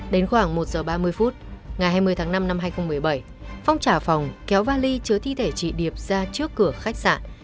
đến khoảng một giờ ba mươi phút ngày hai mươi tháng năm năm hai nghìn một mươi bảy phong trào phòng kéo vali chứa thi thể chị điệp ra trước cửa khách sạn